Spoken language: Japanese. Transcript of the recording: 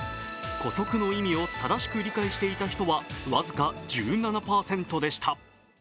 姑息の意味を正しく理解していた人は僅か１７％でした。